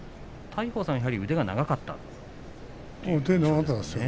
大鵬さんは腕が長かったですよ。